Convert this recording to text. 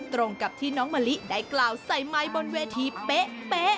ตรงกับที่น้องมะลิได้กล่าวใส่ไมค์บนเวทีเป๊ะ